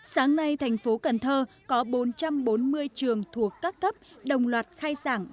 sáng nay thành phố cần thơ có bốn trăm bốn mươi trường thuộc các cấp đồng loạt khai giảng